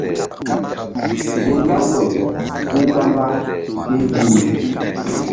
Gun Laouɓol vuh mbamba ke yih.